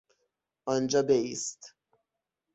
آنجا بایست.